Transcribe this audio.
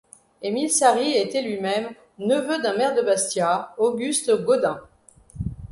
Emile Sari était lui-même neveu d'un maire de Bastia, Auguste Gaudin.